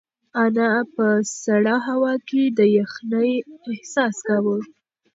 انا په سړه هوا کې د یخنۍ احساس کاوه.